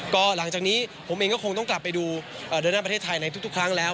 ก็หลังจากนี้ผมเองก็คงต้องกลับไปดูเดินหน้าประเทศไทยในทุกครั้งแล้ว